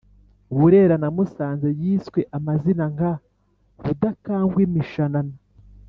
Burera na Musanze yiswe amazina nka Rudakangwimishanana